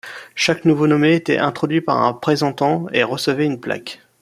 Chaque nouveau nommé était introduit par un présentant, et recevait une plaque.